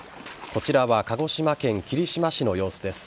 こちらは鹿児島県霧島市の様子です。